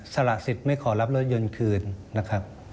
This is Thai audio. ละสิทธิ์ไม่ขอรับรถยนต์คืนนะครับ